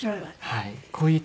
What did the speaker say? はい。